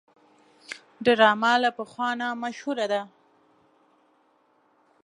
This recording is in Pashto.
ډرامه له پخوا نه مشهوره ده